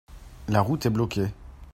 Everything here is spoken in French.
La route est bloquée.